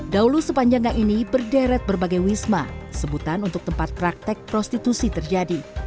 dahulu sepanjangnya ini berderet berbagai wisma sebutan untuk tempat praktek prostitusi terjadi